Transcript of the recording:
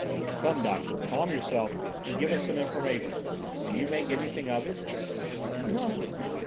"Come, doctor, calm yourself and give us some information. Can you make anything of it?" "Nothing!